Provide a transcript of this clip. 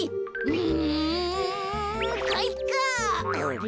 うんかいか！